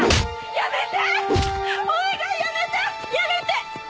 やめて！